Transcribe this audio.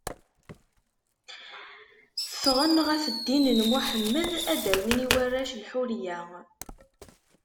Ffɣen ɣef ddin n Muḥemmed, ad d-awin i warrac lḥuriya.